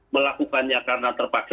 melakukannya karena terpaksa